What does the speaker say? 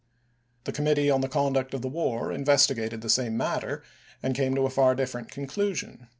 The Committee on the Conduct of the War investigated the same matter, and came to a far different conclusion.